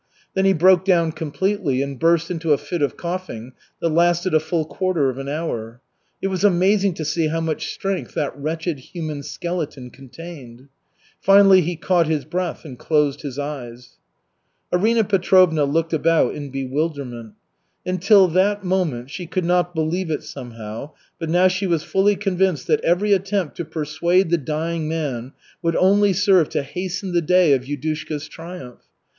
Then he broke down completely and burst into a fit of coughing that lasted a full quarter of an hour. It was amazing to see how much strength that wretched human skeleton contained. Finally he caught his breath and closed his eyes. Arina Petrovna looked about in bewilderment. Until that moment she could not believe it, somehow, but now she was fully convinced that every attempt to persuade the dying man would only serve to hasten the day of Yudushka's triumph.